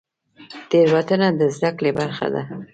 تیروتنه د زده کړې برخه ده